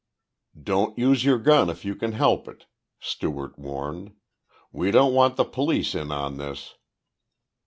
"Don't use your gun if you can help it," Stewart warned. "We don't want the police in on this!"